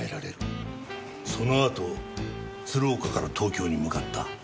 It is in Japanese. その後鶴岡から東京に向かった。